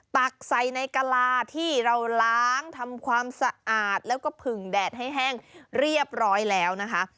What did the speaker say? ตักใส่ในกะลาที่เราล้างทำความสะอาดแล้วก็ผึ่งแดดให้แห้งเรียบร้อยแล้วนะคะ